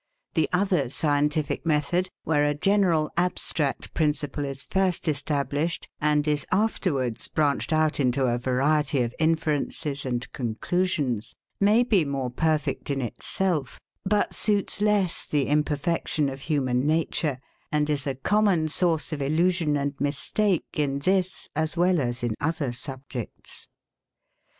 The other scientific method, where a general abstract principle is first established, and is afterwards branched out into a variety of inferences and conclusions, may be more perfect in itself, but suits less the imperfection of human nature, and is a common source of illusion and mistake in this as well as in other subjects.